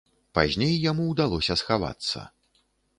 Пазней яму ўдалося схавацца.